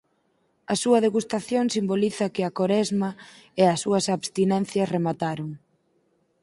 A súa degustación simboliza que a Coresma e as súas abstinencias remataron.